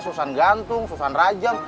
susan gantung susan rajang